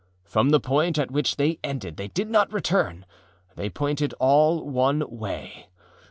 From the point at which they ended they did not return; they pointed all one way.